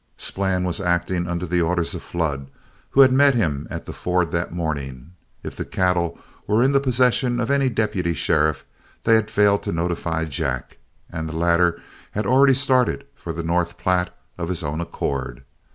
Splann was acting under orders from Flood, who had met him at the ford that morning. If the cattle were in the possession of any deputy sheriff, they had failed to notify Jack, and the latter had already started for the North Platte of his own accord.